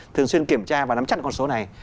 thường xuyên kiểm tra và nắm chặt con số này